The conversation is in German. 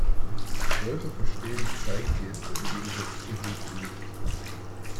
Wölfe verstehen die Zeigegeste im Gegensatz zu Hunden nicht.